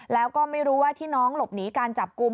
แล้วก็ไม่รู้ว่าที่น้องหลบหนีการจับกลุ่ม